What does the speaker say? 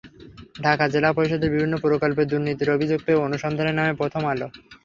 ঢাকা জেলা পরিষদের বিভিন্ন প্রকল্পে দুর্নীতির অভিযোগ পেয়ে অনুসন্ধানে নামে প্রথম আলো।